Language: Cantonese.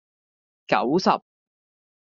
九十